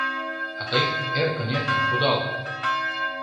— А тый эркын-эркын кудал.